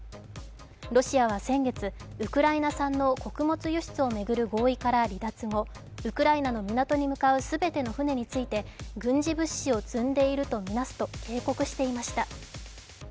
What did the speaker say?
ロシアは先月、ウクライナ産の穀物輸出の合意から離脱後、ウクライナの港に向かう全ての船について、軍事物資を積んでいるとみなすと警告していました。